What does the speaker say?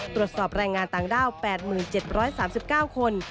ตรวจสอบแรงงานต่างด้าว๘๗๓๙คน